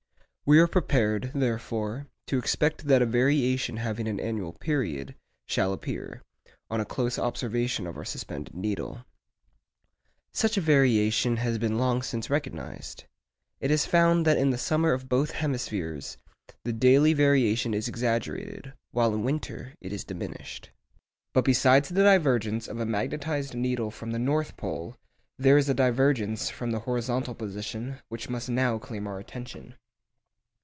We are prepared, therefore, to expect that a variation having an annual period, shall appear, on a close observation of our suspended needle. Such a variation has been long since recognised. It is found that in the summer of both hemispheres, the daily variation is exaggerated, while in winter it is diminished. But besides the divergence of a magnetised needle from the north pole, there is a divergence from the horizontal position which must now claim our attention.